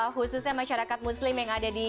khususnya masyarakat muslim yang banyak gitu ya